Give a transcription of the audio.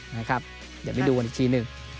นะครับอย่าไปดูอันอีกทีหนึ่ง